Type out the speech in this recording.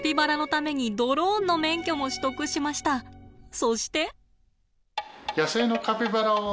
そして。